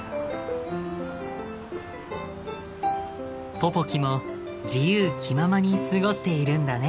ポポキも自由気ままに過ごしているんだね。